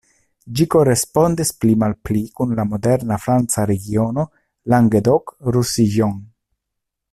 Ĝi korespondis pli malpli kun la moderna franca regiono Languedoc-Roussillon.